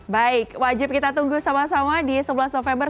baik wajib kita tunggu sama sama di sebelas november